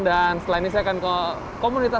dan setelah ini saya akan ke komunitas